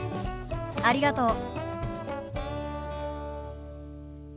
ありがとう。